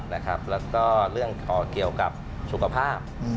แล้วก็เรื่องเกี่ยวกับสุขภาพ